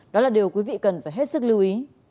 đó là điều quý vị cần phải hết sức lưu ý